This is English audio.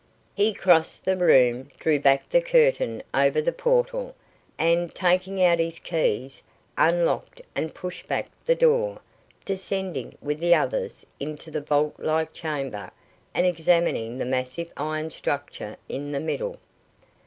He crossed the room, drew back the curtain over the portal and, taking out his keys, unlocked and pushed back the door, descending with the others into the vault like chamber and examining the massive iron structure in the middle.